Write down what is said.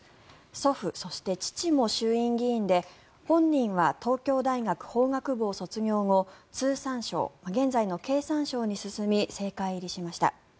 祖父、そして父も衆院議員で本人は東京大学法学部を卒業後通産省、現在の経産省に進み政界入りしました。